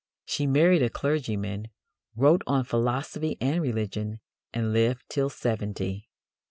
She married a clergyman, wrote on philosophy and religion, and lived till seventy.